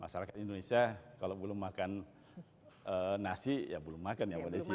masyarakat indonesia kalau belum makan nasi ya belum makan ya mbak desi